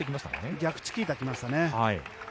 逆チキータが来ましたね。